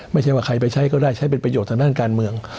ไม่ใช่ว่าใครไปใช้ก็ได้ใช้เป็นประโยชน์ทางด้านการเมือง